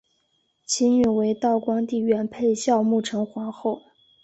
其女为道光帝元配孝穆成皇后。